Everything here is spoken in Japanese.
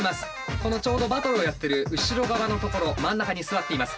このちょうどバトルをやってる後ろ側のところ真ん中に座っています。